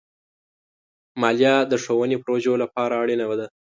مالیه د ښوونې پروژو لپاره اړینه ده.